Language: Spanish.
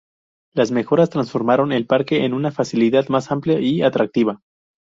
Las mejoras transformaron el parque en una facilidad más amplia y atractiva.